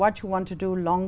tôi là phương